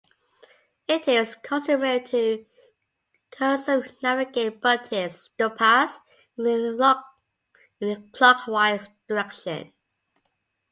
It is customary to circumnavigate Buddhist stupas in a clockwise direction.